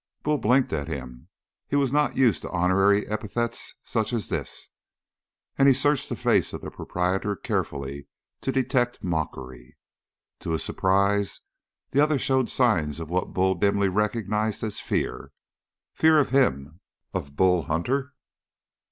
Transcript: Bull blinked at him. He was not used to honorary epithets such as this, and he searched the face of the proprietor carefully to detect mockery. To his surprise the other showed signs of what Bull dimly recognized as fear. Fear of him of Bull Hunter!